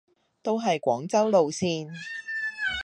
都係廣州路線